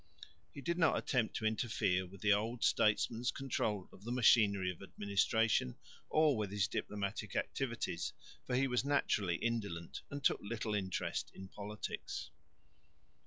He did not attempt to interfere with the old statesman's control of the machinery of administration or with his diplomatic activities, for he was naturally indolent and took little interest in politics.